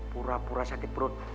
pura pura sakit perut